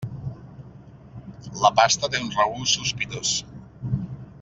La pasta té un regust sospitós.